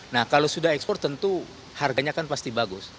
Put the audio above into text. nah kalau sudah ekspor tentu harganya kan pasti bagus